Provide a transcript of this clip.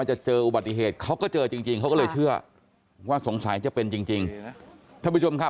อ่าเดี๋ยวลองดูตรงนี้นะฮะ